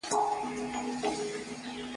افتخارات باید په عدالت سره ووېشل سي.